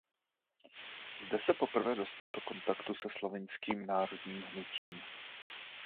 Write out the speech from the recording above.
Zde se poprvé dostal do kontaktu se slovinským národním hnutím.